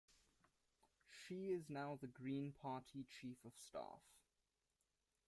She is now the Green Party Chief of Staff.